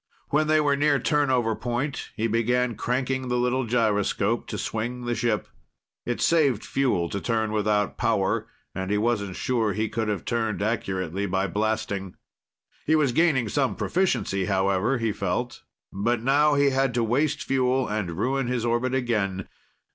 When they were near turnover point, he began cranking the little gyroscope to swing the ship. It saved fuel to turn without power, and he wasn't sure he could have turned accurately by blasting. He was gaining some proficiency, however, he felt. But now he had to waste fuel and ruin his orbit again.